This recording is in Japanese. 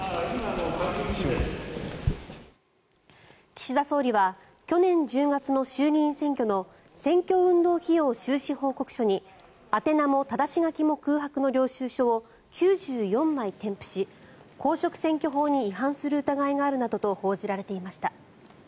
岸田総理は去年１０月の衆議院選挙の選挙運動費用収支報告書に宛名もただし書きも空白の領収書を９４枚添付し公職選挙法に違反する疑いがあるなどと報じられていました。